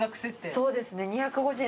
そうですね２５０円。